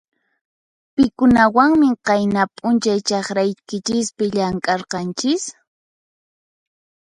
Pikunawanmi qayna p'unchay chakraykichispi llamk'arqanchis?